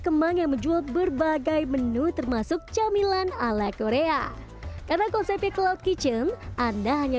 kemang yang menjual berbagai menu termasuk camilan ala korea karena konsepnya cloud kitchen anda hanya